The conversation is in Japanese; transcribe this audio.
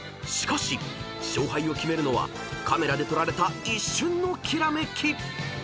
［しかし勝敗を決めるのはカメラで撮られた一瞬のきらめき］